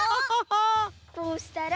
こうしたら。